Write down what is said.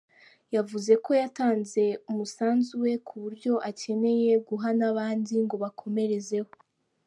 Yavuze ko yatanze umusanzu we ku buryo akeneye guha n’abandi ngo bakomerezeho.